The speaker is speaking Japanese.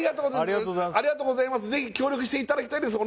ぜひ協力していただきたいです